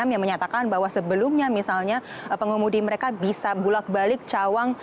yang menyatakan bahwa sebelumnya misalnya pengemudi mereka bisa bulat balik cawang